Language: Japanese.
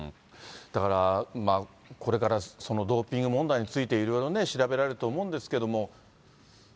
だから、これからそのドーピング問題について、いろいろね、調べられると思うんですけれども。